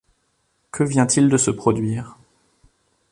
Que vient-il de se produire?